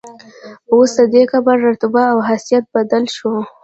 اوس ددې قبر رتبه او حیثیت بدل شو.